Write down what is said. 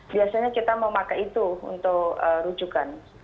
biasanya kita mau pakai itu untuk rujukan